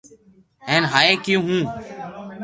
ھين ھاي ڪيو ھون